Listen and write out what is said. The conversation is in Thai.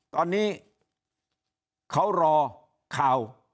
ตอนนี้เขารอข่าว